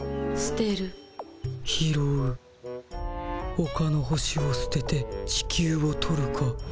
ほかの星をすてて地球を取るか。